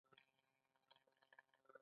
جګړه د خلکو تر منځ وېش پیدا کوي